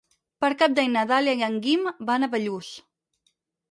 Per Cap d'Any na Dàlia i en Guim van a Bellús.